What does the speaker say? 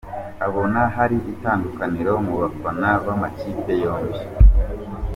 Abona hari itandukaniro mu bafana b’amakipe yombi.